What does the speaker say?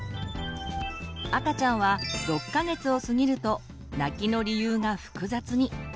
赤ちゃんは６か月を過ぎると泣きの理由が複雑に。